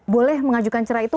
boleh mengajukan cerai itu